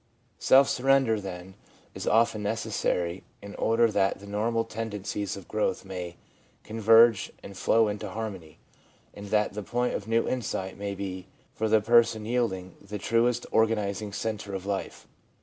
Self surrender \ then, is often necessary in order that the normal tendencies of growth may converge and flow into harmony y and that the point of new insight may bey for the person yielding, the truest organising centre of life.